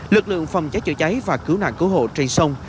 lực lượng phòng cháy chữa cháy và cứu nạn cứu hộ trên sông